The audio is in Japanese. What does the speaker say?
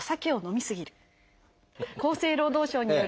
厚生労働省による。